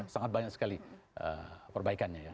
sangat banyak sekali perbaikannya